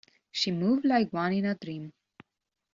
She moved like one in a dream.